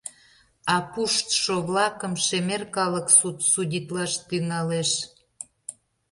А пуштшо-влакым шемер калык суд судитлаш тӱҥалеш.